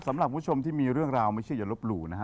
สำหรับผู้ชมที่มีเรื่องราวไม่เชื่ออย่าลบหลู่นะฮะ